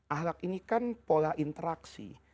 ahlak ini kan pola interaksi